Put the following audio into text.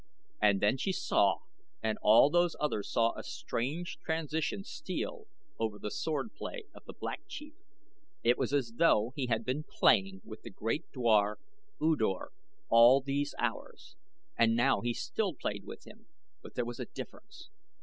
And then she saw and all those others saw a strange transition steal over the swordplay of the Black Chief. It was as though he had been playing with the great dwar, U Dor, all these hours, and now he still played with him but there was a difference.